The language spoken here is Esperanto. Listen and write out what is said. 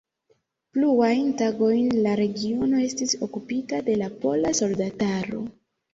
Pluajn tagojn la regiono estis okupita de la pola soldataro.